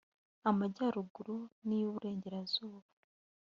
amajyaruguru n’iy’iburengerazuba